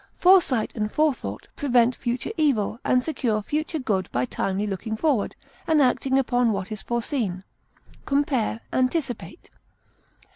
Foresight and forethought prevent future evil and secure future good by timely looking forward, and acting upon what is foreseen. Compare ANTICIPATE.